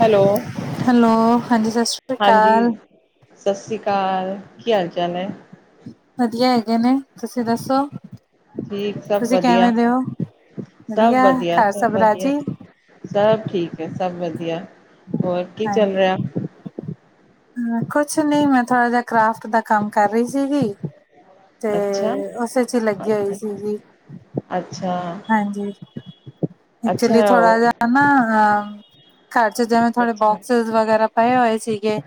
Hello, hello ਹਾਂਜੀ ਸਤਿ ਸ੍ਰੀ ਹਾਂਜੀ, ਅਕਾਲ ਸਸ ਰੀ ਕਾਲ। ਕੀ ਹਾਲ ਚਾਲ ਐ? ਵਧੀਆ ਹੈਗੇ ਨੇ, ਤੁਸੀਂ ਦੱਸੋ ਠੀਕ ਸਭ ਤੁਸੀਂ ਕਿਵੇਂ ਵਧੀਆ ਦੇ ਹੋ, ਵਧੀਆ ਘਰ ਸਭ ਰਾਜੀ। ਸਭ ਠੀਕ ਐ, ਸਭ ਵਧੀਆ। ਹੋਰ ਕੀ ਚੱਲ ਰਿਹਾ ਹਾਂਜੀ। ਹੂੰ, ਕੁਛ ਨੀ ਮੈਂ ਥੋੜਾ ਜਾ ਕਰਾਫਟ ਦਾ ਕੰਮ ਕਰ ਰਹੀ ਸੀਗੀ। ਤੇ ਅੱਛਾ ਉਸ ਵਿਚ ਹੀ ਲੱਗੀ ਹੋਈ ਸੀਗੀ। ਅੱਛਾ। ਹਾਂਜੀ, ਐਕਚੁਲੀ ਅੱਛਾ ਥੋੜਾ ਉਹ ਜਾ ਨਾ ਹਾਂ ਘਰ ਚ ਜਿਵੇਂ ਥੋੜੇ ਅੱਛਾ ਬੋਕਸਿਜ ਵਗੈਰਾ ਪਏ ਹੋਏ ਸੀਗੇ,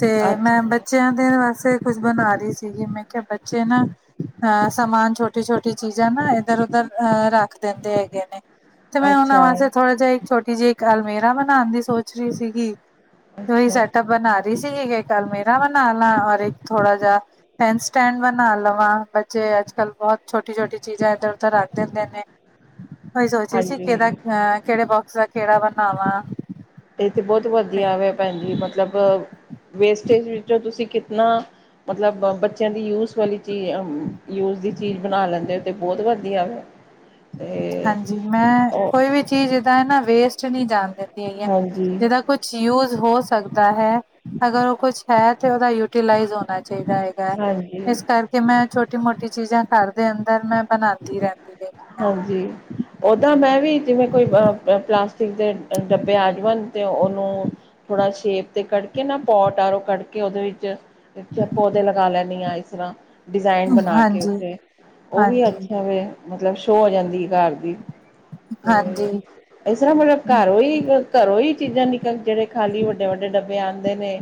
ਤੇ ਮੈਂ ਬੱਚਿ ਅੱਛਾ ਬੱਚਿਆਂ ਦੇ ਵਾਸਤੇ ਕੁਛ ਬਣਾ ਰਹੀ ਸੀਗੀ, ਮੈਂ ਕਿਹਾ ਬੱਚੇ ਨਾ ਅਹ ਸਮਾਨ ਛੋਟੀ- ਛੋਟੀ ਚੀਜ਼ਾਂ ਨਾ, ਇੱਧਰ ਉਧਰ ਅਹ ਰੱਖ ਦਿੰਦੇ ਹੈਗੇ ਨੇ। ਤੇ ਮੈਂ ਉਹਨਾਂ ਅੱਛਾ ਵਾਸਤੇ ਥੋੜਾ ਜਾ ਇੱਕ ਛੋਟੀ ਜਿਹੀ, ਇੱਕ ਅਲਮੀਰਾ ਬਣਾਣ ਦੀ ਸੋਚ ਰਹੀ ਸੀਗੀ। ਉਹੀ ਅੱਛਾ ਸੈਟਅਪ ਅੱਛਾ ਬਣਾ ਰਹੀ ਸੀਗੀ, ਕਿ ਇੱਕ ਅਲਮੀਰਾ ਬਣਾ ਲਾ, ਔਰ ਇੱਕ ਥੋੜਾ ਜਾ ਪੈਨ ਸਟੈਂਡ ਬਣਾ ਲਵਾਂ, ਬੱਚੇ ਅੱਜ- ਕੱਲ੍ਹ ਬਹੁਤ ਛੋਟੀ-ਛੋਟੀ ਚੀਜ਼ਾਂ ਇੱਧਰ-ਉਧਰ ਰੱਖ ਦਿੰਦੇ ਨੇ। ਮੈਂ ਏਹੀ ਸੋਚ ਰਹੀ ਸੀ, ਹਾਂਜੀ ਕਿਹੜਾ ਕਿਹੜੇ ਬੋਕਸ ਦਾ ਕਿਹੜਾ ਬਣਾਵਾਂ। ਇਹ ਤੇ ਬਹੁਤ ਤੇ ਵਧੀਆ ਵਾ, ਭੈਣ ਜੀ ਮਤਲਬ। ਵੇਸਟੇਜ ਵਿੱਚੋਂ ਤੁਸੀਂ ਕਿਤਨਾ ਮਤਲਬ, ਬੱਚਿਆਂ ਦੀ ਯੂਜ ਵਾਲੀ ਤੇ ਅ ਯੂਜ ਦੀ ਚੀਜ਼ ਬਣਾ ਲੈਂਦੇ ਹੋ, ਤਾਂ ਬਹੁਤ ਵਧੀਆ ਵਾ ਤੇ ਹਾਂਜੀ, ਮੈਂ ਉਹ ਕੋਈ ਵੀ ਚੀਜ਼ ਜਿੱਦਾਂ ਐ ਨਾ, ਵੇਸਟ ਨੀ ਜਾਣ ਦਿੰਦੀ ਹੈਗੀ ਆ, ਹਾਂਜੀ ਜਿਦਾਂ ਕੁਛ ਯੂਜ ਹੋ ਸਕਦਾ ਹੈ, ਅਗਰ ਉਹ ਕੁਛ ਹੈ ਤੇ ਉਹਦਾ ਯੂਟੀਲਾਈਜ਼ ਹੋਣਾ ਚਾਹੀਦਾ ਹੈ। ਹਾਂਜੀ ਇਸ ਕਰਕੇ ਮੈਂ ਛੋਟੀ ਮੋਟੀ ਚੀਜ਼ਾਂ ਘਰ ਦੇ ਅੰਦਰ ਮੈਂ ਬਣਾਂਦੀ ਰਹਿੰਦੀ ਆਂ। ਹਾਂਜੀ। ਓਦਾਂ ਮੈਂ ਵੀ ਜਿਵੇਂ ਕੋਈ ਪਲਾਸਟਿਕ ਦੇ ਡੱਬੇ ਆ ਜਾਵਣ, ਤੇ ਉਹਨੂੰ ਥੋੜਾ ਸ਼ੇਪ ਤੇ ਕੱਟ ਕੇ ਨਾ, ਪੋਟ ਆਰ ਉਹ ਕੱਢ ਕੇ ਉਹਦੇ ਵਿੱਚ ਲਗਾ ਇਸ ਤਰ੍ਹਾਂ ਡਿਜ਼ਾਇਨ ਬਣਾ ਕੇ, ਹਾਂਜੀ ਉੱਥੇ ਉਹ ਵੀ ਹਾਂਜੀ ਅੱਛਿਆ ਵੇ। ਮਤਲਬ ਸ਼ੋਅ ਹੋ ਜਾਂਦੀ ਸੀ, ਘਰ ਦੀ। ਹਾਂਜੀ। ਤੇ ਇਸ ਤਰ੍ਹਾਂ ਮਤਲਬ ਘਰੋਂ ਹੀ ਘਰੋਂ ਹੀ ਚੀਜ਼ਾਂ ਨਿਕਲ, ਜਿਹੜੇ ਖਾਲੀ ਵੱਡੇ-ਵੱਡੇ ਡੱਬੇ ਆਂਦੇ ਨੇ।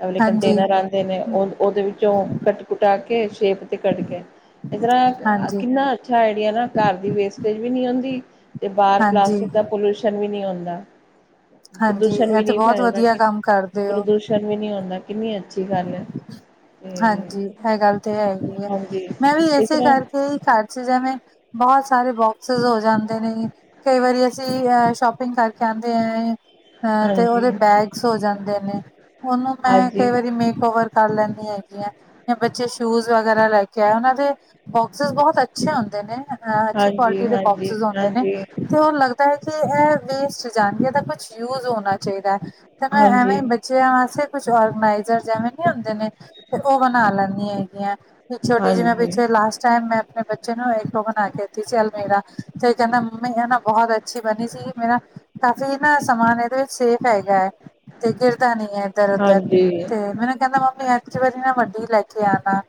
ਆਹ ਵਾਲੇ ਹਾਂਜੀ ਕੰਨਟੇਨਰ ਆਲੇ। ਨੇ ਉਹ ਉਹਦੇ ਵਿੱਚੋਂ ਕੱਟ ਕੁਟਾ ਕੇ ਸ਼ੇਪ ਤੇ ਕੱਟ ਕੇ, ਇਸ ਤਰ੍ਹਾਂ ਹਾਂਜੀ ਕਿੰਨਾ ਅੱਛਾ ਆਈਡੀਆ ਨਾ ਘਰ ਦੀ ਵੇਸਟੇਜ ਵੀ ਨੀ ਹੁੰਦੀ, ਤੇ ਬਾਹਰ ਹਾਂਜੀ ਪਲਾਸਟਿਕ ਦਾ ਪੋਲੂਸ਼ ਸ਼ਨ ਵੀ ਨਹੀਂ ਹੁੰਦਾ, ਹਾਂਜੀ ਪ੍ਰਦੂਸ਼ਣ ਇਹ ਵੀ ਤੇ ਨਹੀਂ ਬਹੁਤ ਫੈਲਦਾ, ਵਧੀਆ ਕੰਮ ਕਰਦੇ ਹੋ ਪ੍ਰਦੂ ਪ੍ਰਦੂਸ਼ਨ ਵੀ ਨੀ ਹੁੰਦਾ, ਕਿੰਨੀ ਅੱਛੀ ਗੱਲ ਐ। ਹਾਂਜੀ ਇਹ ਗੱਲ ਤਾਂ ਹੈਗੀ ਐ, ਹਾਂਜੀ ਮੈਂ ਵੀ ਇਸ ਇਸੇ ਤਰ੍ਹਾਂ ਕਰਕੇ ਹੀ ਘਰ ਚ ਜਿਵੇਂ ਬਹੁਤ ਸਾਰੇ ਬੋਕਸਿਸ ਹੋ ਜਾਂਦੇ ਨੇ। ਕਈ ਵਾਰੀ ਅਸੀਂ ਅ ਸ਼ੋਪਿੰਗ ਕਰਕੇ ਆਉਂਦੇ ਏ। ਅਹ ਤੇ ਹਾਂਜੀ ਉਹਦੇ ਬੈਗਸ ਹੋ ਜਾਂਦੇ ਨੇ, ਉਹਨੂੰ ਮੈਂ ਕਈ ਹਾਂਜੀ ਵਾਰੀ ਮੇਕ ਓਵਰ ਕਰ ਲੈਂਦੀ ਐਂ। ਜਾਂ ਬੱਚੇ ਸ਼ੂਜ ਵਗੈਰਾ ਲੈ ਕੇ ਆਏ, ਉਹਨਾਂ ਦੇ ਬੋਕਸਿਸ ਬਹੁਤ ਅੱਛੇ ਹੁੰਦੇ ਨੇ। ਆਹ ਅੱਛੀ ਹਾਂਜੀ ਕੁਆਲਿਟੀ ਦੇ ਹਾਂਜੀ ਬੋਕਸਿਸ ਹੁੰਦੇ ਨੇ। ਹਾਂਜੀ ਤੇ ਉਹ ਲੱਗਦਾ ਹੈ ਕਿ ਇਹ ਵੇਸਟ ਜਾਣਗੇ, ਇਹਦਾ ਕੁਛ ਯੂਜ ਹੋਣਾ ਚਾਹੀਦਾ ਐ, ਤੇ ਮੈਂ ਐਵੇਂ ਹਾਂਜੀ ਬੱਚਿਆਂ ਵਾਸਤੇ ਕੁਛ ਬਣਾਈ ਜਾ, ਜਿਵੇਂ ਨੀ ਹੁੰਦੇ ਨੇ। ਤੇ ਉਹ ਬਣਾ ਲੈਂਦੀ ਹੈਗੀ ਆਂ, ਇੱਕ ਛੋਟੀ ਜਿਵੇਂ ਹਾਂਜੀ, ਪਿੱਛੇ ਲਾਸਟ ਟਾਈਮ ਮੈਂ ਆਪਣੇ ਬੱਚ ਬੱਚੇ ਨੂੰ ਇੱਕ ਉਹ ਬਣਾ ਕੇ ਦਿੱਤੀ ਸੀ ਅਲਮੀੇਰਾ, ਤੇ ਕਹਿੰਦਾ ਮੰਮੀ ਏ ਨਾ। ਬਹੁਤ ਅੱਛੀ ਬਣੀ ਸੀ। ਮੇਰਾ ਕਾਫ਼ੀ ਨਾ ਸਮਾਨ ਇਹਦੇ ਵਿੱਚ ਸੇਫ ਹੈਗਾ ਹੈ। ਤੇ ਗਿਰਦਾ ਨੀ ਹੈ ਇੱਧਰ- ਉਧਰ ਹਾਂਜੀ, ਤੇ ਮੈਨੂੰ ਕਹਿੰਦਾ ਮੰਮੀ ਕ ਵਾਰੀ ਨਾ ਵੱਡੀ ਲੈ ਕੇ ਆਣਾ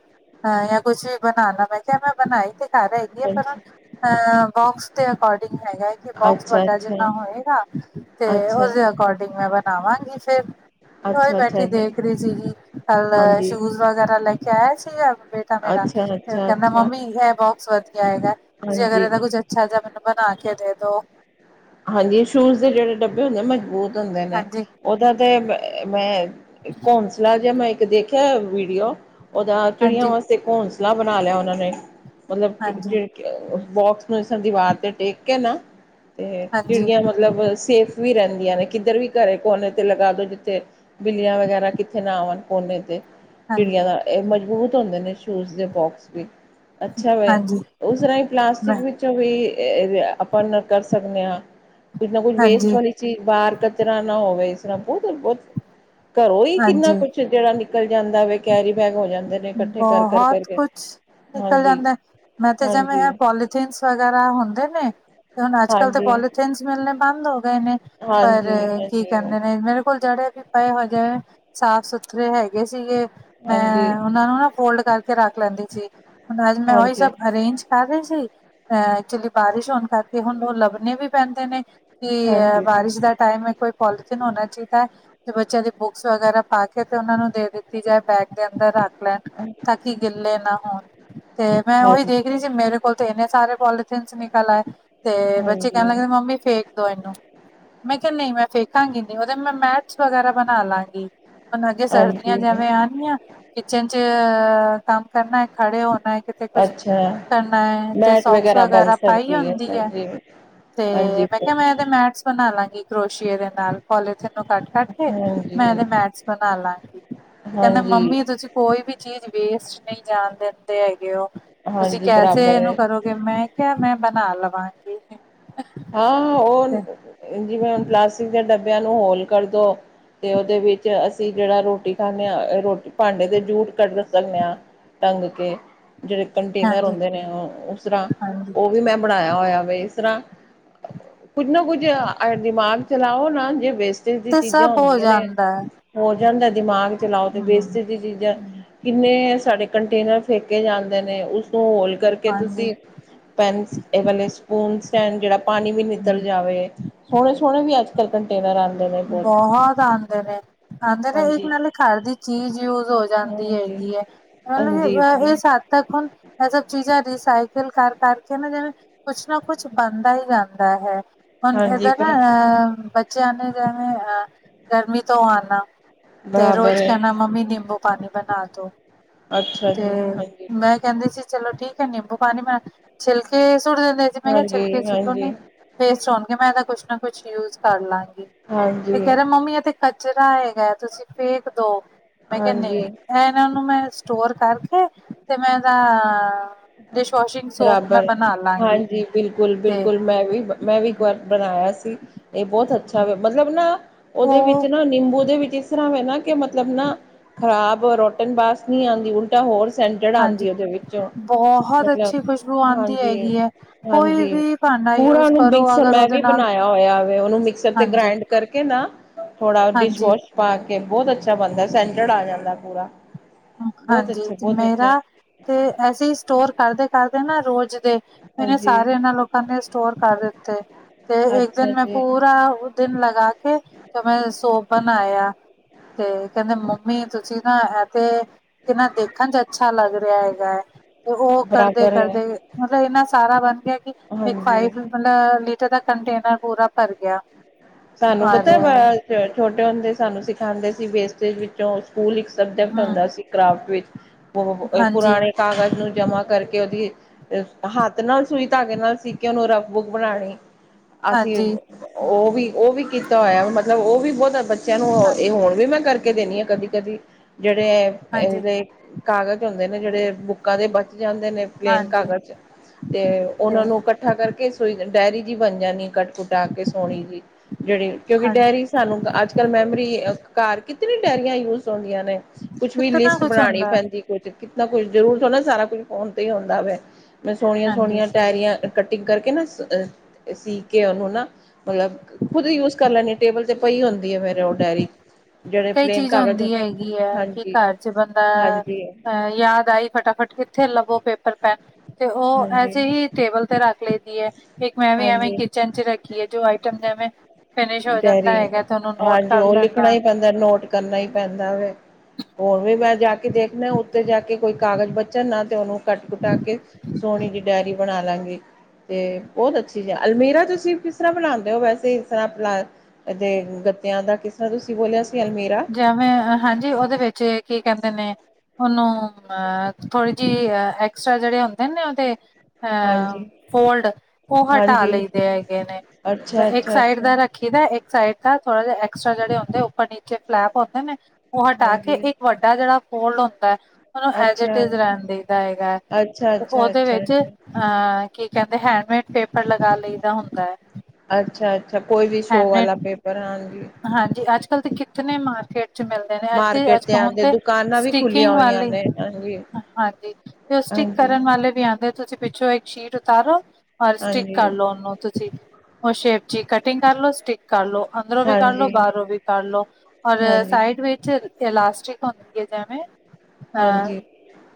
ਅ ਜਾਂ ਕੁੱਛ ਵੀ ਬਣਾਉਣਾ। ਮੈਂ ਕਿਹਾ ਮੈਂ ਬਣਾਈ ਤੇ। ਘਰ ਹੈਗੀ ਹੈ। ਪਰ ਅੱਛਾ, ਅਹ ਬੋਕਸ ਦੇ ਅਕੋਰਡਿੰਗ ਹੈਗਾ। ਬੋਕਸ ਅੱਛਾ, ਵੱਡਾ ਜਿੰਨਾ ਹੋਏਗਾ ਤੇ, ਅੱਛਾ, ਉਸਦੇ ਅਕੋਰਡਿੰਗ ਮੈਂ ਬਣਾਵਾਂਗੀ ਫਿਰ। ਹੋ ਹੀ ਅੱਛਾ, ਅੱਛਾ ਬੈਠੀ ਜੀ, ਦੇਖ ਰਹੇ ਸੀਗੀ ਕਲ। ਹਾਂਜੀ, ਸ਼ੂਜ ਵਗੈਰਾ ਲੈ ਕੇ ਆਆ ਸੀਗਾ, ਬੇਟਾ ਮੇਰਾ। ਅੱਛਾ, ਫੇਰ ਅੱਛਾ, ਕਹਿੰਦਾ ਅੱਛਾ, ਮੰਮੀ, ਇਹ ਬਹੁਤ ਸ ਵਧੀਆ ਹੈਗਾ। ਹਾਂਜੀ। ਕੁਛ ਅੱਛਾ ਜ ਮੈਨੂ ਬਣਾ ਕੇ ਦੇ ਦੋ। ਹਾਂਜੀ ਸ਼ੂਜ ਦੇ ਜਿਹੜੇ ਡੱਬੇ ਹੁੰਦੇ। ਮਜ਼ਬੂਤ ਹੁੰਦੇ ਨੇ ਹਾਂਜੀ ਉਹਦਾ ਤੇ, ਮੈਂ ਇੱਕ ਘੋਂਸਲਾ ਜਿਹਾ ਮੈਂ ਇੱਕ ਦੇਖਿਆ ਵੀਡੀਓ। ਓਦਾ ਚਿੜੀਆਂ ਹਾਂਜੀ ਵਾਸਤੇ ਘੌਸਲਾ ਬਣਾ ਲਿਆ ਉਹਨਾਂ ਨੇ, ਮਤਲਬ ਚਿ- ਹਾਂਜੀ ਚਿ। ਬੋਕਸ ਨੂੰ ਇਸ ਦੀਵਾਰ ਤੇ ਟੇਕ ਕੇ, ਨਾ। ਤੇ ਹਾਂਜੀ ਚਿੜੀਆਂ ਮਤਲਬ ਸੇਫ ਵੀ ਰਹਿੰਦੀਆਂ ਨੇ। ਕਿੱਧਰ ਵੀ ਘਰੇ ਕੋਨੇ ਤੇ ਲਗਾ ਦਿਉ ਜਿੱਥੇ ਬਿੱਲੀਆਂ ਵਗੈਰਾ ਕਿੱਥੇ ਨਾ ਆਣ ਕੋਨੇ ਤੇ। ਚਿੜੀਆਂ ਹਾਂਜੀ ਦਾ, ਇਹ ਮਜ਼ਬੂਤ ਹੁੰਦੇ ਨੇ ਸ਼ੂਜ ਦੇ ਬੋਕਸ ਵੀ। ਅੱਛਾ ਵੇ, ਹਾਂਜੀ ਉਸ ਰਾਹੀਂ ਪਲਾਸਟਿਕ ਮੈਂ ਵਿੱਚੋਂ ਵੀ ਆਪਾਂ ਸਕਦੇ ਹਾਂ ਕੁੱਝ ਨਾ ਕੁੱਝ ਵੇਸਟ ਹਾਂਜੀ ਵਾਲੀ ਬਾਹਰ ਕਚਰਾ ਨਾ ਹੋਵੇ ਇਸ ਤਰਾਂ ਬਹੁਤ- ਬਹੁਤ ਘਰੋਂ ਹੀ ਕਿੰਨਾ ਹਾਂਜੀ ਕੁਛ। ਜਿਹੜਾ ਨਿਕਲ ਜਾਂਦਾ ਵੇ, ਕੈਰੀ ਬੈਗ ਵੱਡਾ ਬਹੁਤ ਕੁਛ ਨਿਕਲ ਹਾਂਜੀ ਜਾਂਦਾ। ਮੈਂ ਤੇ ਜਵੇਂ ਹਾਂਜੀ ਹੈ ਪੋਲੀ। ਥੀਨਸ ਵਗੈਰਾ ਹੁੰਦੇ ਨੇ, ਤੇ ਹੁਣ ਅੱਜ ਕੱਲ ਤੇ ਹਾਂਜੀ ਪੋਲੀਥਨਸ ਮਿਲਣੇ ਬੰਦ ਹੋ ਗਏ ਨੇ। ਪਰ ਹਾਂਜੀ ਕੀ ਹਾਂਜੀ ਕਹਿੰਦੇ ਨੇ ਮੇਰੇ ਕੋਲ ਜੇੜੇ ਵੀ। ਪਏ ਹੈਗੇ ਸਾਫ ਸੁਥਰੇ ਹੈਗੇ ਸੀਗੇ ਮੈਂ ਹਾਂਜੀ ਉਹ ਨੂੰ ਨਾ ਫੋਲਡ ਕਰਕੇ ਰੱਖ ਲੈਂਦੀ ਸੀ। ਹ ਅੱਜ ਮੈਂ ਉਹੀ ਹਾਂਜੀ ਸਭ ਅਰੇਂਜ। ਕਰ ਰਹੀ ਸੀ। ਅ ਐਕਚੁਲੀ ਬਾਰਿਸ਼ ਹੋਣ ਕਰਕੇ ਹੁਣ ਉਹ ਲੱਭਣੇ ਵੀ ਪੈਂਦੇ ਨੇ। ਕਿ ਇਹ ਹਾਂਜੀ ਬਾਰਿਸ਼ ਦਾ ਟਾਈਮ ਕੋਈ ਪੋਲੀਥੀਨ ਹੋਣਾ ਚਾਹੀਦਾ ਹੈ। ਤੇ ਬੱਚਿਆਂ ਦੀ ਬੁੱਕਸ ਵਗੈਰਾ ਪਾ ਕੇ, ਤੇ ਉਹਨਾਂ ਨੂੰ ਦੇ ਦਿੱਤੀ ਜਾਏ। ਬੈਗ ਦੇ ਅੰਦਰ ਰੱਖ। ਲੈਣ ਤਾਂ ਕਿ, ਗਿੱਲੇ ਨਾ ਹੋਣ ਤੇ ਮੈਂ ਉਹੀ ਦੇਖ ਹਾਂਜੀ ਰਹੀ ਸੀ ਮੇਰੇ। ਕੋਲ ਤੇ ਇੰਨੇ ਸਾਰੇ ਪੋਲੀਥਨ ਨਿਕਲ ਆਏ। ਤੇ ਬੱਚੇ ਹਾਂਜੀ ਕਹਿਣ ਲੱਗੇ ਮੰਮੀ ਫੇਕ। ਦੋ ਇਹਨੂੰ ਮੈਂ ਕਿਹਾ ਨਹੀਂ ਮੈਂ ਫੇਕਾਂਗੀ ਨਹੀਂ, ਉਹਦੇ ਮੈਂ ਮੈਟਸ ਵਗੈਰਾ ਬਣਾ ਲਵਗੀ। ਹੁਣ ਅੱਗੇ ਸਰਦੀਆਂ ਹਾਂਜੀ ਜਿਵੇਂ ਅੰਨਗੀਆ। ਕਿਚਨ ਚ ਕੰਮ ਕਰਨਾ ਹੈ, ਖੜੇ ਹੋਣਾ ਹੈ ਕਿਤੇ ਕੁਛ। ਅੱਛਾ ਕਰਨਾ ਹੈ, ਤੇ ਮੈਟ ਸੋਕਸ ਬਣ ਵਗੈਰਾ ਪਾਈ ਸਕਦੀ ਹੁੰਦੀ ਹੈ ਹਾਂਜੀ ਤੇ ਹਾਂਜੀ ਮੈਂ। ਮੈਂ ਇਹਦੇ ਮੈਟਸ ਬਣਾ ਲਾਂਗੀ ਕਰੋਸੀਏ ਦੇ ਨਾਲ। ਪੋਲੀਥਿਨ ਨੂੰ ਕੱਟ ਕੇ। ਕਟ ਕੇ ਮੈਂ ਹਾਂਜੀ ਇਹਦੇ ਮੈਸ ਬਣਾ ਲਾਂਗੀ। ਤੇ ਕਹਿੰਦੇ ਹਾਂਜੀ ਮੰਮੀ ਏ ਤੇ ਚਿਪ ਕੋਈ ਵੀ ਚੀਜ਼ ਵੇਸਟ ਨਹੀਂ ਜਾਣ ਦਿੰਦੇ ਹੈਗੇ ਹੋ। ਤੁਸੀਂ ਹਾਂਜੀ ਕੈਸੇ ਬਰਾਬਰ ਹੈ ਇਹਨੂੰ ਕਰੋ। ਮੈਂ ਕਿਹਾ ਮੈਂ ਬਣਾ ਲਵਾਂਗੀ। ਹਾਂ ਉਹ ਤੇ ਜਿਵੇਂ ਹੁਣ ਪਲਾਸਟਿਕ ਦੇ ਡੱਬਿਆਂ ਨੂੰ ਹੋਲ ਕਰਦੋ। ਤੇ ਉਹਦੇ ਵਿੱਚ ਅਸੀਂ ਜਿਹੜਾ ਰੋਟੀ ਖਾਂਦੇ ਹਾਂ ਰੋਟੀ ਭਾਂਡੇ ਦੇ ਜੂਟ ਕੱਢ ਸਕਦੇ ਹਾਂ। ਟੰਗ ਕੇ। ਜਿਹੜੇ ਕੰਟੇਨਰ ਹੁੰਦੇ ਨੇ ਉਹ ਉਸ ਤਰਾਂ, ਹਾਂਜੀ-ਹਾਂਜੀ ਉਹ ਵੀ ਮੈਂ ਬਣਾਇਆ ਹੋਇਆ ਵੈ, ਇਸ ਤਰਾਂ। ਕੁੱਝ ਨਾ ਕੁੱਝ ਦਿਮਾਗ ਚਲਾਓ ਨਾ, ਜੇ ਵੇਸਟਜ ਦੀ ਤੇ ਚੀਜ਼ਾਂ ਸਭ ਹੋ ਹੁੰਦੀਆਂ ਨੇ। ਜਾਂਦਾ ਹੈ। ਹੋ ਜਾਂਦਾ ਹੈ, ਦਿਮਾਗ ਚਲਾਓ ਤੇ ਬੈਸਟ ਹੂੰ, ਦੀਆਂ ਚੀਜ਼ਾਂ। ਕਿੰਨੇ ਸਾਡੇ ਕੰਟੇਨਰ ਫੇਕੇ ਜਾਂਦੇ ਨੇ, ਉਸਨੂੰ ਹੋਲ। ਕਰਕੇ ਹਾਂਜੀ। ਤੁਸੀਂ ਪੈਨਸ ਇਹ ਵਾਲੇ ਸਪੂਨਸ ਐਂਡ ਜਿਹੜਾ। ਪਾਣੀ ਵੀ ਨਿੱਤਲ ਜਾਵੇ, ਸੋਹਣੇ- ਸੋਹਣੇ ਵੀ ਅੱਜੱ। ਤੇ ਕੰਟੇਨਰ ਆਉਂਦੇ ਨੇ। ਬਹੁਤ ਆਉਦੇ ਨੇ ਆਉਦੇ ਨੇ ਇਕ ਹਾਂਜੀ ਮੈਨੂੰ ਘਰ ਦੀ ਚੀਜ਼ ਯੂਜ ਹੋ ਜਾਂਦੀ ਹਾਂਜੀ ਹੈਗੀ ਹੈ। ਓਨੂ ਮਤਲਬਹ ਹਾਂਜੀ ਇਸ ਹੱਦ ਤੱਕ ਹੁਣ ਇਹ ਸਭ ਚੀਜਾ ਦੀ ਰੀਸਾਈਕਲ ਕਰ ਕਰਕੇ ਨਾ ਜਿਵੇ ਕੁਛ ਨਾ ਕੁਛ ਬਣਦਾ ਹੀ ਰਹਿਦਾ ਹੈ। ਹੁਣ ਹਾਂਜੀ ਇੱਧਰ ਨਾ ਪਰ ਐ ਬੱਚਿਆਂ ਨੇ ਜਿਵੇ ਐ ਗਰਮੀ ਤੋ ਆਉਣਾ ਤੇ ਬਰਾਬਰ ਰੋਜ਼ ਹੈ ਕਹਿਣਾ ਮੰਮੀ ਨਿੰਬੂ ਪਾਣੀ ਬਣਾ ਦੋ ਅੱਛਾ ਤੇ ਜੀ ਹਾਂਜੀ ਮੈ ਕਹਿਦੀ ਸੀ ਚਲੋ ਠੀਕ ਨਿੰਬੂ ਪਾਣੀ ਬਨਾਣੀ ਮੈ ਛਿਲਕ ਕੇ ਸੁੱਟ ਦਿੰਦੇ ਜੀ ਮੈ ਕਿਹਾ ਛਿਲਕੇ ਹਾਂਜੀ ਸੁਟੋ ਹਾਂਜੀ ਨ ਵੇਸਟ ਹੋਣਗੇ ਮੈ ਤਾਂ ਕੁਛ ਨਾ ਕੁਛ ਯੂਜ ਕਰ ਲਾਂਗੀ ਇਹ ਤੇ ਹਾਂਜੀ ਕਹਿ ਰਿਹਾ ਮੰਮੀ ਇਹ ਤੇ ਕਚਰਾ ਹੈਗਾ ਤੁਸੀ ਫੇਕ ਦੋ ਮੈ ਕਿਹਾ ਨਹੀ ਹਾਂਜੀ ਐ ਇਹਨਾਂ ਨੂੰ ਮੈ ਸਟੋਰ ਕਰਕੇ ਤੇ ਮੈ ਇਹਦਾ ਡਿਸ਼ ਵਾਸ਼ਿੰਗ ਸੋਪ ਮੈਂ ਬਰਾਬਰ ਬਣਾ ਲਾਂਗੀ ਹਾਂਜੀ ਬਿਲਕੁਲ, ਤੇ ਬਿਲਕੁਲ ਮੈਂ ਵੀ। ਮੈਂ ਵੀ ਇੱਕ ਵਾਰ ਬਣਾਇਆ ਸੀ ਇਹ ਬਹੁਤ ਅੱਛਾ ਮਤਲਬ ਨਾ ਉਹਦੇ ਵਿੱਚ ਉਹ ਜੈ ਨਾ ਨਿੰਬੂ ਦੇ ਵਿੱਚ ਇਸ ਤਰ੍ਹਾਂ ਵੈ ਨਾ ਕਿ ਮਤਲਬ ਨਾ ਖ਼ਰਾਬ ਰੋਟਨ ਬਾਸ ਨਹੀਂ ਆਉਂਦੀ ਉਲਟੀ। ਤਾਂ ਹੋਰ ਸੈਂਟ ਕੇੜਾ ਹਾਂਜੀ ਆਉਂਦੀ ਉਹਦੇ ਵਿੱਚੋ ਬਹੁਤ ਮਤਲਬ ਅੱਛੀ ਖੁਸ਼ਬੂ ਆਉਂਦੀ ਹਾਂਜੀ ਹੈਗੀ ਹੈ ਕੋਈ ਹਾਂਜੀ ਵੀ ਭਾਂਡਾ ਪੂਰਾ ਯੂਜ ਉਹਨੂੰ ਕਰੋ ਬਿਕਸ ਅਗਰ ਮੈ ਉਹਦੇ ਵੀ ਨਾਲ ਬਣਾਇਆ ਹੋਇਆਵੇ ਉਹਨੂੰ ਮਿਕਸਰ ਤੇ ਹਾਂਜੀ ਗ੍ਰਾਇੰਡ ਕਰਕੇ ਨਾ ਥੋੜਾ ਹਾਂਜੀ ਡਿਸ਼ਵੋਸ਼ ਪਾ ਕੇ ਬਹੁਤ ਅੱਛਾ ਬੰਦਾ ਸੈਂਡਡ ਆ ਜਾਂਦਾ ਹੈ ਪੂਰਾ। ਬਹੁਤ ਹਾਂਜੀ ਅੱਛਾ, ਤੇ ਬਹੁਤ ਮੇਰਾ ਅੱਛਾ ਤੇ ਐਸੀੇ ਸਟੋਰ ਕਰਦੇ ਕਰਦੇ ਨਾ ਰੋਜ਼ ਦੇ ਇਨਾਂ ਹਾਂਜੀ ਸਾਰਿਆ ਨਾਲੋ ਐਨੇ ਸਟੋਰ ਕਰ ਦਿੱਤੇ ਤੇ ਇੱਕ ਅੱਛਾ ਦਿਨ ਮੈਂ ਜੀ। ਪੂਰਾ ਦਿਨ ਲਗਾ ਕੇ ਤੇ ਮੈਂ ਸੋਪ ਬਣਾਇਆ। ਤੇ ਕਹਿੰਦੇ ਮੰਮੀ ਤੁਸੀਂ ਨਾ ਇਹ ਤੇ ਕਿੰਨਾ ਦੇਖਣ 'ਚ ਅੱਛਾ ਲੱਗ ਰਿਹਾ ਹੈਗਾ ਹੈ। ਤੇ ਉਹ ਕਰਦੇ ਬਰਾਬਰ ਹੈ ਕਰਦੇ ਮਤਲਬ ਇਨਾ ਸਾਰਾ ਬਣ ਗਿਆ ਕਿ ਇਕ ਹਾਂਜੀ ਫਾਈਵ ਮਤਲਬ ਲੀਟਰ ਦਾ ਕੰਟੇਨਰ ਪੂਰਾ ਭਰ ਗਿਆ। ਸਾਨੂੰ ਔਰ ਪਤਾ ਛੋਟੇ ਹੁੰਦੇ ਸਾਨੂੰ ਸਿਖਾਉਦੇ ਸੀ ਵੇਸਟੇਜ ਵਿਚੋ ਸਕੂਲ ਇਕ ਸਬਜੈਕਟ ਹੁੰਦਾ ਹੂੰ, ਸੀ ਕਰਾਫਟ ਵਿਚ ਹਾਂਜੀ-ਹਾਂਜੀ, ਪੁਰਾਣੇ ਕਾਗਜ਼ ਨੂੰ ਜਮ੍ਹਾਂ ਕਰਕੇ ਉਹਦੀ- ਹੱਥ ਨਾਲ ਸੂਈ ਧਾਗੇ ਨਾਲ ਸੀ ਕੇ ਉਹਨੂੰ ਰਫ ਬੁਕ ਬਣਾਉਣੀ ਅਸੀ ਹਾਂਜੀ, ਉਹ ਵੀ ਉਹ ਵੀ ਕੀਤਾ ਹੋਇਆ ਮਤਲਬ ਉਹ ਵੀ ਬਹੁਤਾ ਬੱਚਿਆਂ ਨੂੰ ਇਹ ਹਾਂਜੀ, ਹੁਣ ਵੀ ਮੈਂ ਕਰਕੇ ਦੇਣੀ ਹਾਂ ਕਦੀ- ਕਦੀ ਜਿਹੜੇ ਹਾਂਜੀ ਇਹਦੇ ਕਾਗਜ਼ ਹੁੰਦੇ ਨੇ ਜਿਹੜੇ ਬੁੱਕਾਂ ਦੇ ਬਚ ਜਾਂਦੇ ਨੇ ਪਲੇਨ ਹਾਂਜੀ ਕਾਗਜ਼ ਤੇ ਤੇ ਉਹਨਾਂ ਨੂੰ ਕੱਟ ਇਕੱਠਾ ਕਰਕੇ ਸੋਈ ਡਾਇਰੀ ਜਿ ਬਣ ਜਾਣੀ ਕੱਟ ਕੁਟਾ ਕੇ ਸੋਹਣੀ ਜੀ ਜਿਹੜੀ ਕਿਉਂਕਿ ਹਾਂਜੀ। ਡੇਅਰੀ ਸਾਨੂੰ ਅੱਜ ਕੱਲ ਮੈਮਰੀ ਘਰ ਕਿਤਨੀ ਡੇਅਰੀਆਂ ਯੂਜ ਹੁੰਦੀਆਂ ਨੇ ਕੁਛ ਵੀ ਕਿਤਨਾ ਲਿਸਟ ਕੁਛ ਬਣਾਉਣੀ ਹੁੰਦਾ ਪੈਦੀ ਕੁਛ ਕਿਤਨਾ ਕੁੱਛ ਜ਼ਰੂਰ ਥੋੜਾ ਨਾ ਸਾਰਾ ਕੁਛ ਫੋਨ ਤੇ ਹੀ ਹੁੰਦਾ ਵਾ ਮੈ ਸੋਹਣੀਆਂ- ਹਾਂਜੀ ਸੋਹਣੀਆਂ ਡੈਇਰੀਆਂ ਕਟਿੰਗ ਕਰਕੇ ਨਾ ਸੀ ਕੇ ਉਹਨੂੰ ਨਾ ਮਤਲੱਬ ਖੁਦ ਯੂਜ ਕਰ ਲੈਣੀਆ ਟੇਬਲ ਤੇ ਪਈ ਹੁੰਦੀ ਹੈ। ਮੇਰੇ ਉਹ ਡਾਇਅਰੀ ਕਈ ਚੀਜ਼ ਹੁੰਦੀ ਹੈਗੀ ਹੈ। ਕਿ ਹਾਂਜੀ, ਘਰ 'ਚ ਬੰਦਾ ਹਾਂਜੀ, ਅਹ ਯਾਦ ਆਈ ਫਟਾਫਟ ਕਿਥੇ ਲਵੋ ਪੇਪਰ ਪੈਨ ਤੇ ਉਹ ਹਾਂਜੀ, ਐਸੇ ਹੀ ਟੇਬਲ ਤੇ ਰੱਖ ਲਈ ਦੀ ਹੈ। ਇਕ ਮੈ ਵੀ ਐਵੇ ਹਾਂਜੀ। ਕਿਚਨ 'ਚ ਰੱਖੀ ਹੈ। ਜੋ ਆਈਟਮ ਨੇ ਐਵੇ ਫਿਨਿਸ਼ ਹੋ ਜਾਦਾ। ਡਾਇਰੀ ਹੈਗਾ ਤੇ ਉਹਨੂੰ ਨੋਟ ਹਾਂਜੀ ਕਰ ਉਹ ਲਿਖਣਾ ਲੈਦਾ ਹੀ ਪੈਂਦਾ ਨੋਟ ਕਰਨਾ ਹੀ ਪੈਦਾ ਵੇ ਹੋਰ ਵੀ ਮੈ ਜਾ ਕੇ ਦੇਖਣਾ ਉਤੇ ਜਾ ਕੇ ਕੋਈ ਕਾਗਜ਼ ਬਚਣ ਨਾ ਤੇ ਉਹਨੂੰ ਕੱਟ ਘਟਾ ਕੇ ਸੋਹਣੀ ਜੀ ਡਾਇਰੀ ਬਣਾ ਲਾਗੇ ਤੇ ਬਹੁਤ ਅੱਛੀਜ਼ ਆ ਅਲਮੀਰਾ ਤੁਸੀ ਕਿਸ ਤਰ੍ਹਾਂ ਬਣਾਉਦੇ ਹੋ ਵੈਸੇ ਇਸ ਤਰ੍ਹਾ ਦੇ ਗੱਤਿਆਂ ਦਾ ਕਿਸ ਤਰ੍ਹਾਂ ਤੁਸੀ ਬੋਲਿਆ ਸੀ ਅਲਮੀਰਾ ਜਿਵੇ ਹਾਂਜੀ ਉਹਦੇ ਵਿਚ ਕੀ ਕਹਿਦੇ ਨੇ ਉਹਨੂੰ ਅ ਥੋੜੀ ਜਿਹੀ ਐਕਸਟਰਾ ਜਿਹੜੇ ਹੁੰਦੇ ਨੇ ਉਹਦੇ ਅ ਹਾਂਜੀ ਫੋਲਡ ਉਹ ਹਟਾ ਹਾਂਜੀ ਲਈਦੇ ਹੈਗੇ ਨੇ ਅੱਛਾ ਇਕ ਅੱਛਾ ਸਾਈਡ ਅੱਛਾ ਦਾ ਰੱਖ ਰੱਖੇ ਦਾ ਇੱਕ ਸਾਈਡ ਥੋੜਾ ਜਾ ਐਕਸਟਰਾ ਫਲੈਪ ਹੁੰਦੇ ਨੇ। ਓ ਹਟਾ ਕੇ ਹਾਂਜੀ ਇੱਕ ਵੱਡਾ ਜਿਹੜਾ ਫੋਲਡ ਹੁੰਦਾ ਓਨੂੰ ਅੱਛਾ ਐਜਇਟਜ ਰਹਿਣ ਦੇਈਦਾ ਹੈਗਾ। ਅੱਛਾ ਅੱਛਾ ਤੇ ਉਹਦੇ ਅੱਛਾ ਵਿੱਚ ਅੱਛਾ ਅਹ ਕੀ ਕਹਿੰਦੇ ਹੈਂਡਮੇਡ ਪੇਪਰ ਲਗਾ, ਲਈ ਦਾ ਹੁੰਦਾ ਹੈ। ਅੱਛਾ-ਅੱਛਾ, ਕੋਈ ਵੀ ਸ਼ੋਅ ਵਾਲਾ ਹੈਂਡਮੇਡ ਪੇਪਰ ਹਾਂਜੀ। ਹਾਂਜੀ, ਅੱਜ-ਕੱਲ ਤੇ ਕਿਤਨੇ ਮਾਰਕੀਟ, ਮਿਲਦੇ ਨੇ ਇਥੇ ਮਾਰਕੀਟ ਅੱਜ-ਕੱਲ ਹੁਣ ਆਂਦੇ ਤੇ ਦੁਕਾਨਾਂ ਵੀ ਖੁੱਲੀਆਂ ਸਟਕਿੰਗ ਹੋਈਆਂ ਵਾਲੀ ਨੇ ਹਾਂਜੀ ਹਾਂਜੀ, ਤੇ ਉਹ ਸਟਕ ਹਾਂਜੀ ਕਰਨ ਵਾਲੇ ਵੀ ਆਉਂਦੇ ਤੁਸੀਂ ਪਿੱਛੋਂ ਇੱਕ ਸ਼ੀਟ ਉਤਾਰੋ ਔਰ ਸਟਿੱਕ ਹਾਂਜੀ ਕਰਲੋ, ਉਹਨੂੰ ਤੁਸੀਂ ਉਹ ਸ਼ੇਪ ਚ ਕੱਟ ਕਟਿੰਗ ਕਰਲੋ ਸਟਕ ਕਰ ਲੋ ਅੰਦਰੋਂ ਵੀ ਕਰ ਹਾਂਜੀ ਲੋ ਬਾਹਰੋਂ ਵੀ ਕ ਲੋ ਔਰ ਹਾਂਜੀ ਸਾਈਡ ਵਿੱਚ ਇਹ ਲਾਸਟਿਕ ਹੁੰਦੀ ਹੈ, ਜਿਵੇਂ ਅਹ ਹਾਂਜੀ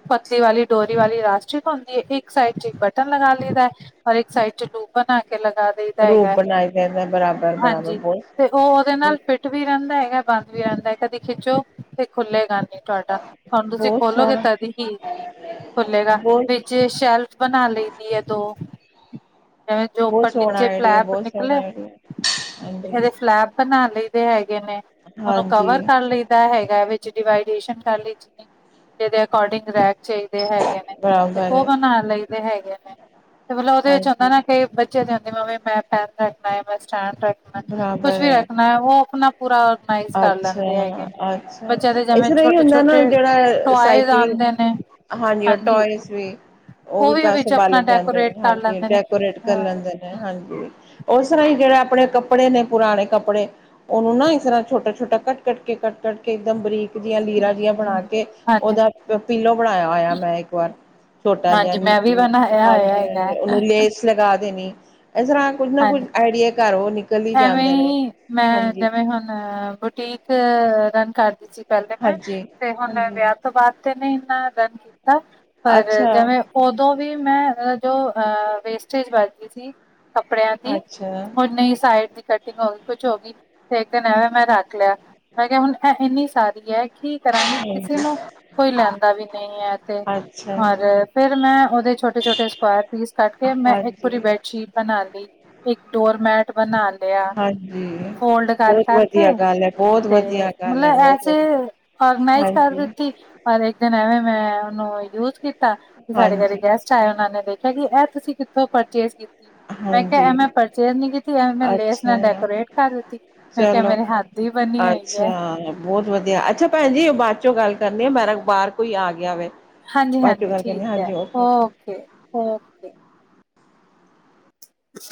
ਪਤਲੀ ਵਾਲੀ ਡੋਰੀ ਵਾਲੀ ਰਾਸਟਿਕ ਹੁੰਦੀ ਏ, ਇਕ ਸਾਈਡ ਚ ਇੱਕ ਬਟਨ ਲਗਾ ਲਈਦਾ ਹੈ। ਔਰ ਇੱਕ ਸਾਈਡ 'ਚ ਲੂਪ ਬਣਾ ਕੇ ਲਗਾ ਦਈਦਾ ਰੂਪ ਹੈਗਾ ਬਣਾਏ ਹੋਏ ਨੇ ਬਰਾਬਰ ਬਰਾਬਰ ਹਾਂਜੀ, ਬਹੁਤ ਤੇ ਉਹ ਉਹਦੇ ਨਾਲ ਬਹੁਤ ਫਿਟ ਟੁਟ ਵੀ ਰਹਿੰਦਾ ਹੈਗਾ ਬੰਦ ਵੀ ਰਹਿਦਾ ਹੈ, ਕਦੀ ਖਿੱਚੋ ਤੇ ਖੁੱਲੇਗਾ ਨੀ ਤੁਹਾਡਾ, ਤੁਹਾਨੂੰ ਤੁਸੀ ਬਹੁਤ ਖੋਲੋਗੇ ਸੋਹਣਾ ਤਦ ਹੀ ਖੁੱਲੇਗਾ। ਬਹੁਤ ਜੇ ਸ਼ੈਲਫ ਬਣਾ ਲਈ ਦੀ ਹੈ, ਦੋ ਜੋ ਬਹੁਤ ਉਪਰ ਸੋਹਣਾ ਨੀਚੇ ਆਈਡੀਆ ਫਲੈਪ ਬਹੁਤ ਸੋਹਣਾ ਨਿਕਲੇ ਆਈਡੀਆ ਤੇ ਹਾਂਜੀ ਇਹਦੇ ਫਲੈਬ ਬਣਾ ਲਈ ਦੇ ਹੈਗੇ ਨੇ, ਉਹਨੂੰ ਹਾਂਜੀ ਕਵਰ ਕਰ ਲਈ ਦਾ ਹੈਗਾ, ਵਿਚ ਡਿਵਾਈਡ ਕਰ ਲਈ ਜਿਦੇ ਅਕੋਰਡਿੰਗ ਰ ਚਾਹੀਦੇ ਹੈਗੇ, ਨੇ ਤੇ ਬਰਾਬਰ ਉਹ ਹੈ ਬਣਾ ਲਈਦੇ ਹੈਗੇ ਨੇ ਤੇ ਮਤਲਬ ਉਹਦੇ ਵਿਚ ਹੁੰਦਾ ਹਾਂਜੀ ਨਾ ਕਈ ਬੱਚੇ ਦੀ ਹੁੰਦੇ ਮਮੀ ਮੈ ਪਹਿਨ ਰੱਖਣਾ ਹੈ, ਬਸ ਸਟੈਂ ਰੱਖਣਾ, ਕੁਛ ਬਰਾਬਰ ਵੀ ਹੈ ਰੱਖਣਾ ਉਹ ਆਪਣਾ ਪੂਰਾ ਔਰਗਨਾਈਜ਼ ਕਰ ਲੈਂਦੇ ਹੈਗੇ ਨੇ ਬੱਚਿਆਂ ਦੇ ਜਿਵੇਂ ਇਸਰ੍ਹਾਂ ਹੀ ਛੋਟੇ ਹੁੰਦਾ ਨਾ, ਛੋਟੇ ਜਿਹੜਾ ਟੋਇਜ਼ ਸਾਈਕਲ ਆਉਂਦੇ ਨੇ ਹਾਂਜੀ, ਉਹ ਟੋਏਸ ਵੀ ਉਹ ਵੀ ਵਿੱਚ ਆਪਣਾ ਪੈਸਭਾਲੇ ਜਾਂਦੇ ਡੈਕੋਰੇਟ ਨੇ ਕਰ ਹਾਂਜੀ ਲੈਂਦੇ ਨੇ ਡੈਕੋਰੇਟ ਕਰ ਲੈਂਦੇ ਨੇ। ਅ ਹਾਂਜੀ, ਉਸ ਤਰ੍ਹਾਂ ਹੀ ਜਿਹੜੇ ਆਪਣੇ ਕੱਪੜੇ ਨੇ ਪੁਰਾਣੇ ਕੱਪੜੇ ਉਹਨੂੰ ਨਾ ਇਸ ਤਰ੍ਹਾਂ ਛੋਟਾ-ਛੋਟਾ ਕੱਟ-ਕੱਟ ਕੇ ਕੱਟ ਕਰਕੇ ਇੱਕਮ ਬਰੀਕ ਜਆਂ ਲੀਰਾ। ਬਣਾ ਕੇ ਹਾਂਜੀ ਉਹਦਾ ਪੀਲੋ ਬਣਾਇਆ ਹੋਇਆ, ਮੈਂ ਇੱਕ ਵਾਰ ਛੋਟਾ ਜਿਹਾ ਹਾਂਜੀ ਮੈਂ ਵੀ ਬਣਾਇਆ ਹੋਇਆ ਹੈਗਾ ਹਾਂਜੀ-ਹਾਂਜੀ ਉਹਨੂੰ ਲੇਸ ਲਗਾ ਦੇਣੀ ਇਸ ਤਰ੍ਹਾਂ ਕੁੱਝ ਨਾ ਕੁੱਝ ਹਾਂਜੀ, ਆਈਡੀਆ ਘਰ ਉਹ ਨਿਕਲ ਹੀ ਐਵੇਂ ਜਾਂਦੇ ਨੇ ਹੀ ਮੈਂ ਹਾਂਜੀ ਜਿਵੇਂ ਹੁਣ ਬੁਟੀਕ ਰਨ ਕਰਦੀ ਸੀ, ਪਹਿਲੇ ਮੈਂ ਹਾਂਜੀ ਤੇ ਹੁਣ ਹਾਂਜੀ ਵਿਆਹ ਤੋਂ ਬਾਅਦ ਨੇ ਇਨਾ ਰਨ ਕੀਤਾ, ਪਰ ਅੱਛਾ ਜਿਵੇਂ ਉਦੋਂ ਵੀ ਮੈਂ ਜੋ ਅ ਵੇਸਟੇਜ ਵੱਧਦੀ ਸੀ। ਕੱਪੜਿਆਂ ਦੀ ਅੱਛਾ ਹੁਣ ਨੀ ਸਾਈਡ ਦੀ ਕੱ ਹੋ ਗਈ ਕੁੱਛ ਹੋ ਗਈ, ਤੇ ਇੱਕ ਦਿਨ ਐਵੇਂ ਮੈਂ ਰੱਖ ਲਿਆ, ਮੈਂ ਕਿਹਾ ਹੁਣ ਇੰਨੀ ਸਾਰੀ ਹੈ ਕਿ ਕਰਾਂਗੀ, ਕਿਸੇ ਹਾਂਜੀ ਨੂੰ ਕੋਈ ਲੈਂਦਾ ਵੀ ਨਹੀਂ ਹੈ ਤੇ ਅੱਛਾ ਔਰ ਜੀ ਫਿਰ ਮੈਂ ਉਹਦੇ ਛੋਟੇ-ਛੋਟੇ ਸਕੁਆਇਰ ਪੀਸ ਕੱਢ ਕੇ ਮੈਂ ਇੱਕ ਹਾਂਜੀ, ਪੂਰੀ ਬੈਠ ਚੀ ਬਣਾ ਲਈ ਇੱਕ ਡੋਰਮੈਟ ਬਣਾ ਲਈ। ਹਾਂਜੀ ਫੋਲਡ ਕਰ ਬਹੁਤ ਵਧੀਆ ਕਰਕੇ ਗੱਲ ਹੈ, ਬਹੁਤ ਤੇ ਵਧੀਆ ਗੱਲ ਹੈ, ਮਤਲਬ ਬਹੁਤ ਐਸੇ ਵਧੀਆ ਔਰਗਨਾਈਜ਼ ਕਰ ਹਾਂਜੀ, ਦਿੱਤੀ, ਔਰ ਇੱਕ ਦਿਨ ਐਵੇਂ ਮੈਂ ਉਹਨੂੰ ਯੂਜ ਕੀਤਾ ਤੇ ਸਾਡੇ ਘਰੇ ਹਾਂਜੀ, ਗੈਸ ਚਾਹੇ ਉਹਨਾਂ ਨੇ ਦੇਖਿਆ, ਕਿ ਇਹ ਤੁਸੀਂ ਕਿੱਥੋਂ ਪਰਚੇਜ ਕੀਤੀ। ਮੈਂ ਹਾਂਜੀ ਕਿਹਾ ਮੈਂ ਪਰਚੇਜ਼ ਨਹੀਂ ਕੀਤੀ, ਮੈਂ ਲੇਸ ਨਾ ਅੱਛਾ ਡੈਕੋਰੇਟ ਕਰ ਦਿੱਤੀ। ਮੈਂ ਕਿਹਾ ਚਲੋ ਮੇਰੀ ਹੱਥ ਹੀ ਬਣੀ ਹੋਈ ਹੈ। ਅੱਛਾ ਬਹੁਤ ਵਧੀਆ ਅੱਛਾ ਭੈਣ ਜੀ, ਬਾਅਦ ਚੋਂ ਗੱਲ ਕਰਨੀ ਆ ਮੇਰਾ ਬਾਹਰ ਕੋਈ ਆ ਗਿਆ ਵੇ ਬਾਅਦ ਚੋਂ ਹਾਂਜੀ-ਹਾਂਜੀ, ਗੱਲ ਕਰਨੀ ਠੀਕ ਹੈ ਹਾਂਜੀ ਓਕੇ ਕੇ।